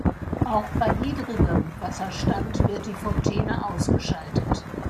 Auch bei niedrigem Wasserstand wird die Fontäne ausgeschaltet.